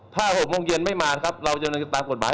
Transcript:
ถ้า๖โมงเย็นไม่มานะครับเราจะเดินตามกฎหมาย